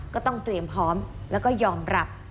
ก็ต้องเตรียมพร้อมแล้วก็ยอมรับ